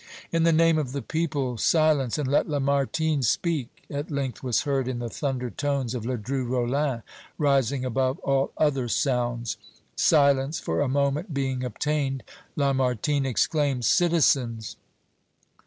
"In the name of the people, silence, and let Lamartine speak!" at length was heard in the thunder tones of Ledru Rollin, rising above all other sounds. Silence for a moment being obtained, Lamartine exclaimed: "Citizens!